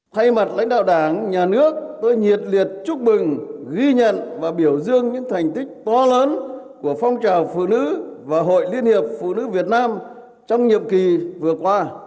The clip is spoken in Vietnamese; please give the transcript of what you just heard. thay mặt lãnh đạo đảng nhà nước tôi nhiệt liệt chúc mừng ghi nhận và biểu dương những thành tích to lớn của phong trào phụ nữ và hội liên hiệp phụ nữ việt nam trong nhiệm kỳ vừa qua